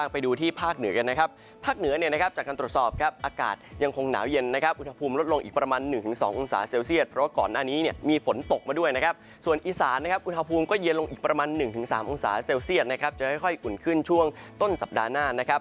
ไปดูที่ภาคเหนือกันนะครับภาคเหนือเนี่ยนะครับจากการตรวจสอบครับอากาศยังคงหนาวเย็นนะครับอุณหภูมิลดลงอีกประมาณ๑๒องศาเซลเซียตเพราะว่าก่อนหน้านี้เนี่ยมีฝนตกมาด้วยนะครับส่วนอีสานนะครับอุณหภูมิก็เย็นลงอีกประมาณ๑๓องศาเซลเซียตนะครับจะค่อยขุนขึ้นช่วงต้นสัปดาห์หน้านะครับ